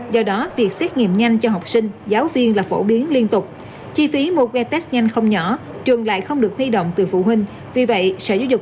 do đó việc xét nghiệm nhanh cho học sinh giáo viên là phổ biến liên tục